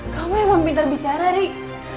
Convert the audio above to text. kamu emang pintar bicara rik